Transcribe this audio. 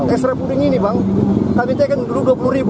ekstra puding ini bang kami tekan dulu